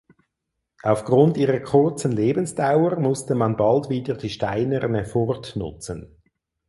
Aufgrund ihrer kurzen Lebensdauer musste man bald wieder die steinerne Furt nutzen.